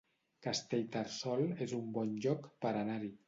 Castellterçol es un bon lloc per anar-hi